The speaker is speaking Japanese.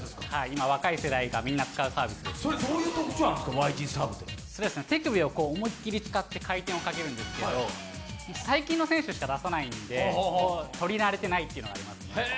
今若い世代がみんな使うサービスですねそれどういう特徴あるんですかＹＧサーブって手首をこう思いっきり使って回転をかけるんですけど最近の選手しか出さないんでとり慣れてないっていうのがありますね